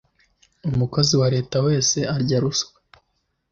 umukozi wa leta wese arya ruswa